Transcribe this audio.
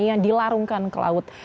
yang dilarungkan ke laut